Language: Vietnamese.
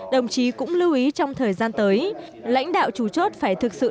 đồng chí cũng lưu ý trong thời gian tới lãnh đạo chủ chốt phải thực sự